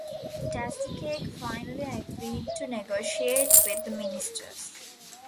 Tastykake finally agreed to negotiate with the ministers.